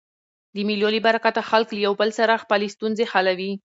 د مېلو له برکته خلک له یو بل سره خپلي ستونزي حلوي.